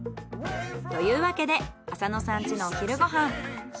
というわけで浅野さん家のお昼ご飯。